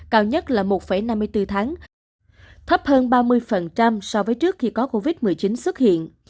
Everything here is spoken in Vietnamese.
cao nhất là một năm mươi bốn tháng thấp hơn ba mươi so với trước khi có covid một mươi chín xuất hiện